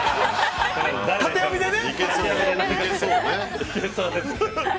◆縦読みでね。